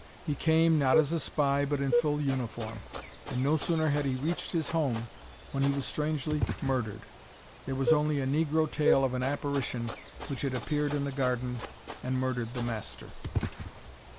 He came, not as a spy, but in full uniform. And no sooner had he reached his home when he was strangely murdered. There was only a negro tale of an apparition which had appeared in the garden and murdered the master.